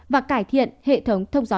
và cải thiện hệ thống thông gió